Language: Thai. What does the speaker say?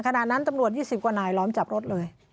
ขณะนั้นตำรวจ๒๐กว่านายล้อมจับรถเลย